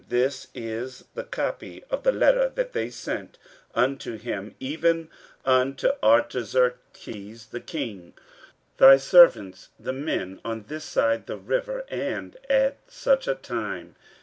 15:004:011 This is the copy of the letter that they sent unto him, even unto Artaxerxes the king; Thy servants the men on this side the river, and at such a time.